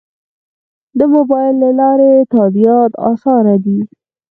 د موبایل له لارې تادیات اسانه دي؟